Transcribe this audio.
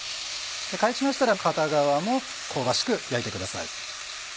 返しましたら片側も香ばしく焼いてください。